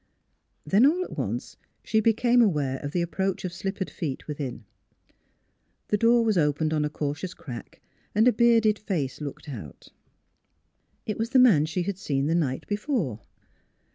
Then all at once she became aware of the approach of slippered feet within. The door was opened on a cautious crack and a bearded face looked out. It was the man she had seen the night before.